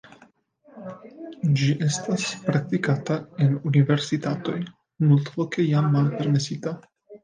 Ĝi estas praktikata en universitatoj, multloke jam malpermesita.